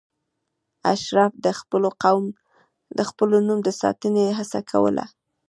اشراف د خپل نوم د ساتنې هڅه کوله.